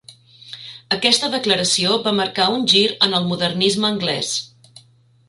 Aquesta declaració va marcar un gir en el modernisme anglès.